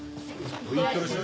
いってらっしゃい。